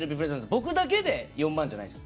僕だけで４万じゃないです。